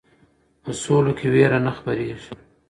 په سوله کې ویره نه خپریږي.